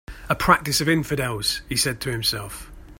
"A practice of infidels," he said to himself.